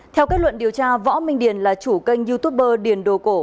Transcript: theo kết luận điều tra võ minh điền là chủ kênh youtuber điền đồ cổ